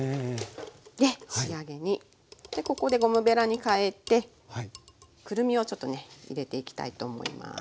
で仕上げにでここでゴムべらに替えてくるみをちょっとね入れていきたいと思います。